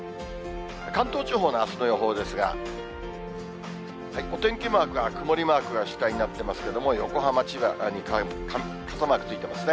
関東地方のあすの予報ですが、お天気マークが曇りマークが主体になってますけれども、横浜、千葉に傘マークついてますね。